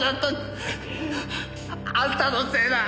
あんたのせいだ！